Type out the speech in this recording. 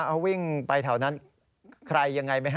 เอาวิ่งไปแถวนั้นใครยังไงไหมฮ